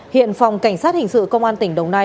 hiện phòng cảnh sát hình sự công an tỉnh đồng nai